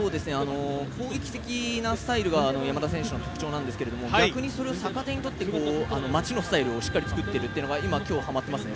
攻撃的なスタイルが山田選手の特徴なんですが逆にそれを逆手に取って待ちのスタイルをしっかり作っているというのが今、はまっていますね。